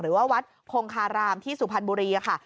หรือว่าวัดคงคารามที่สุพรรณบุรีค่ะ